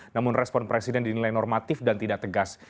namun respon presiden dinilai normatif dan tidak tegas